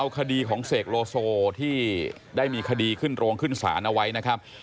คดีของเสกโลโซที่ได้มีคดีขึ้นโรงขึ้นศาลเอาไว้นะครับ